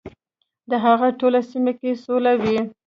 د هغه ټوله سیمه کې سوله وي .